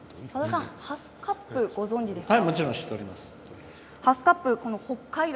さださん、ハスカップご存じですか？